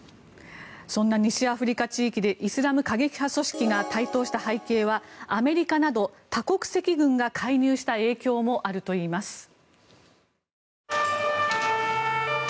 そんな西アフリカ地域でイスラム過激派組織が台頭した背景は、アメリカなど多国籍軍が介入した影響もあるといいます。